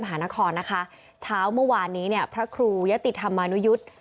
หานครนะคะเช้าเมื่อวานนี้เนี่ยพระครูยะติธรรมานุยุทธ์